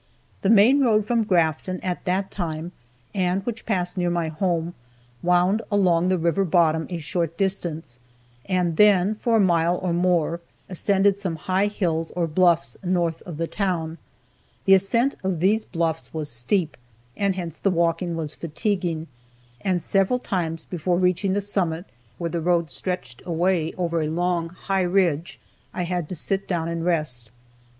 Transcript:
The main road from Grafton, at that time, and which passed near my home, wound along the river bottom a short distance, and then, for a mile or more, ascended some high hills or bluffs north of the town. The ascent of these bluffs was steep, and hence the walking was fatiguing, and several times before reaching the summit where the road stretched away over a long, high ridge, I had to sit down and rest.